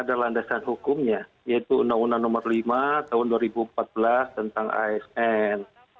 ada landasan hukumnya yaitu undang undang nomor lima tahun dua ribu empat belas tentang asn